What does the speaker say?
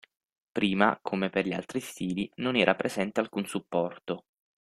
Prima, come per gli altri stili, non era presente alcun supporto.